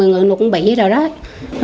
nó cũng bị rồi đó